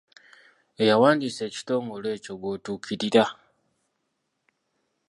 Eyawandiisa ekitongole ekyo gw'otuukirira.